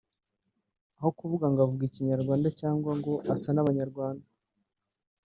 aho kuvuga ngo avuga ikinyarwanda cyangwa ngo asa n’Abanyarwanda